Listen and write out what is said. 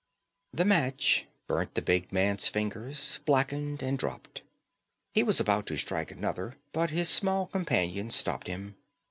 The match burnt the big man's fingers, blackened, and dropped. He was about to strike another, but his small companion stopped him.